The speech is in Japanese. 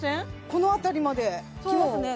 この辺りまできますね